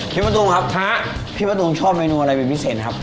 มะตูมครับพี่มะตูมชอบเมนูอะไรเป็นพิเศษครับ